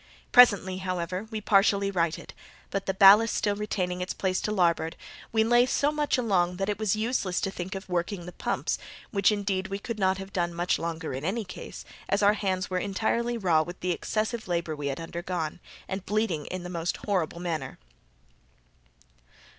Presently, however, we partially righted; but the ballast still retaining its place to larboard, we lay so much along that it was useless to think of working the pumps, which indeed we could not have done much longer in any case, as our hands were entirely raw with the excessive labour we had undergone, and were bleeding in the most horrible manner.